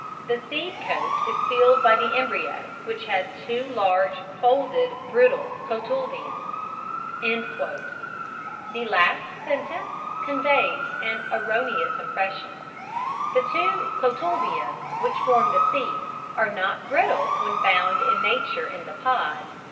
The seed coat is filled by the embryo, which has two large, folded, brittle cotyledons." The last sentence conveys an erroneous impression. The two cotyledons, which form the seed, are not brittle when found in nature in the pod.